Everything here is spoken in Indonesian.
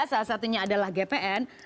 salah satunya adalah gpn